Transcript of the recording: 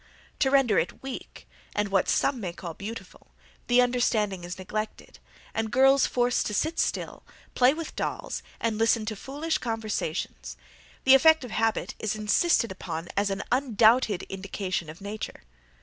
To render it weak, and what some may call beautiful, the understanding is neglected, and girls forced to sit still, play with dolls, and listen to foolish conversations; the effect of habit is insisted upon as an undoubted indication of nature.